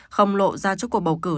không lộ ra trước cuộc bầu cử